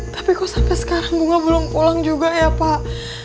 tapi kok sepeda sekarang bunga belom polang juga ya pak